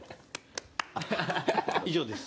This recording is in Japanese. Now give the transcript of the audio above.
以上です。